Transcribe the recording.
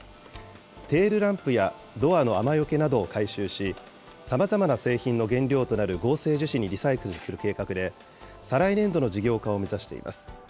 テールランプやドアの雨よけなどを回収し、さまざまな製品の原料となる合成樹脂にリサイクルする計画で、再来年の事業化を目指しています。